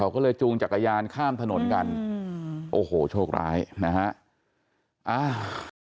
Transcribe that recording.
ก็เลยจูงจักรยานข้ามถนนกันอืมโอ้โหโชคร้ายนะฮะอ่า